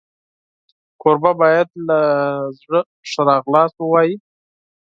کوربه باید له زړه ښه راغلاست ووایي.